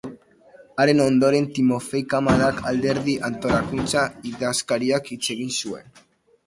Haren ondoren Timofeiev kamaradak, alderdiko antolakuntza-idazkariak hitz egin zuen.